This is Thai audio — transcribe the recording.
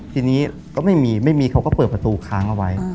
ทีนี้ก็ไม่มีไม่มีเขาก็เปิดประตูค้างเอาไว้